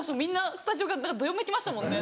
スタジオがどよめきましたもんね。